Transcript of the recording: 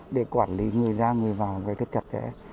để quản lý người ra người vào với chất chặt chẽ